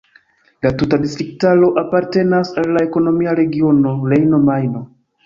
La tuta distriktaro apartenas al la ekonomia regiono Rejno-Majno.